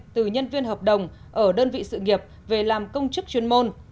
từ nhân viên hợp đồng ở đơn vị sự nghiệp về làm công chức chuyên môn